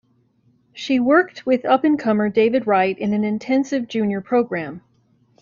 She worked with up and comer David Wright in an intensive Junior Program.